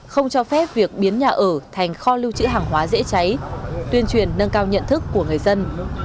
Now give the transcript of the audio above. không cho phép việc biến nhà ở thành kho lưu trữ hàng hóa dễ cháy tuyên truyền nâng cao nhận thức của người dân